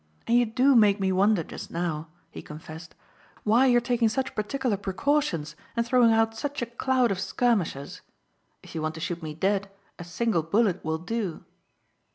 And you do make me wonder just now," he confessed, "why you're taking such particular precautions and throwing out such a cloud of skirmishers. If you want to shoot me dead a single bullet will do."